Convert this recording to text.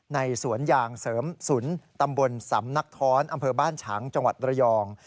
สวนยางเสริมสุนตำบลสำนักท้อนอำเภอบ้านฉางจังหวัดระยอง